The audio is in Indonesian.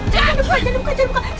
jangan buka jangan buka